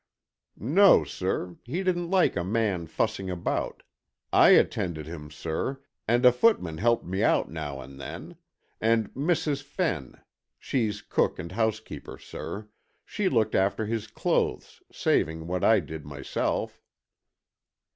"No, sir, he didn't like a man fussing about. I attended him, sir, and a footman helped me out now and then; and Mrs. Fenn, she's cook and housekeeper, sir, she looked after his clothes, saving what I did myself."